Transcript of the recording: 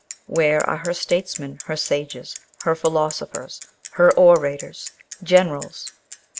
Where are her statesmen, her sages, her philosophers, her orators, generals?